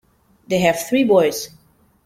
They have three boys.